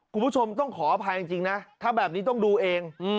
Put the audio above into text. คุณผู้ชมต้องขออภัยจริงนะถ้าแบบนี้ต้องดูเอง